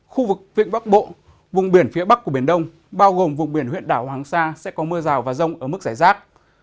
khu vực vịnh bắc bộ vùng biển phía bắc của biển đông bao gồm vùng biển huyện đảo hoàng sa sẽ có mưa rào và rông ở mức giải rác